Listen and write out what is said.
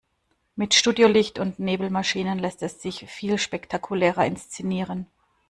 Mit Studiolicht und Nebelmaschinen lässt es sich viel spektakulärer inszenieren.